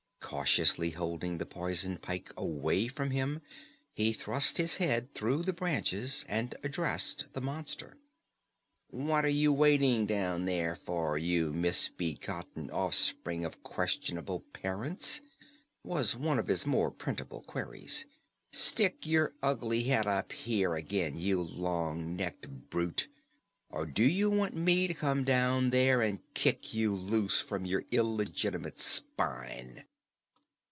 Cautiously holding the poisoned pike away from him, he thrust his head through the branches and addressed the monster. "What are you waiting down there for, you misbegotten offspring of questionable parents?" was one of his more printable queries. "Stick your ugly head up here again, you long necked brute or do you want me to come down there and kick you loose from your illegitimate spine?"